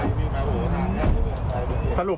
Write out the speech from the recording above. เอ่อไม่ถูก